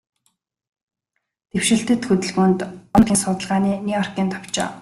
Дэвшилтэт хөдөлгөөнд, орон нутгийн судалгааны Нью-Йоркийн товчоо